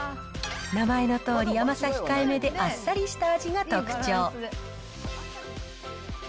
名前のとおり甘さ控えめであっさりした味が特徴。